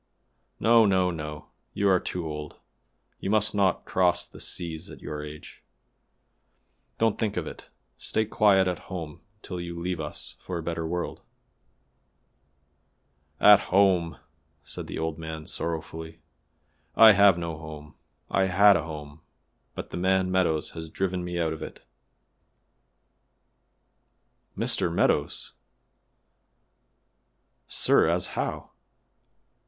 No! no! no! you are too old; you must not cross the seas at your age; don't think of it; stay quiet at home till you leave us for a better world." "At home!" said the old man sorrowfully; "I have no home. I had a home, but the man Meadows has driven me out of it." "Mr. Meadows! La, sir, as how?"